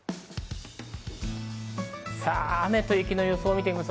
雨と雪の予想を見てみます。